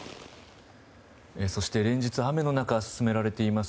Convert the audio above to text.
そして、連日雨の中、進められています